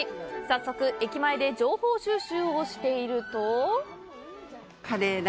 早速、駅前で情報収集をしていると。